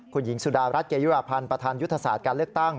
คุณหญิงสุดารัฐเกยุราพันธ์ประธานยุทธศาสตร์การเลือกตั้ง